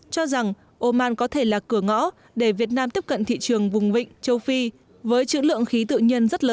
cho rằng oman có thể là cửa ngõ để việt nam tiếp cận thị trường vùng vịnh châu phi với chữ lượng khí tự nhiên rất lớn